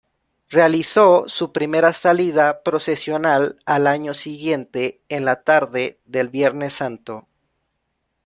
Realizó su primera salida procesional al año siguiente, en la tarde del Viernes Santo.